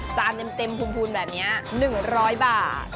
จานเต็มภูมิแบบนี้๑๐๐บาท